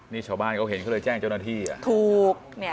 นี่ชาวบ้านเขาเห็นเขาเลยแจ้งเจ้าหน้าที่อ่ะถูกเนี่ย